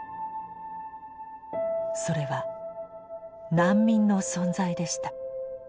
それは難民の存在でした。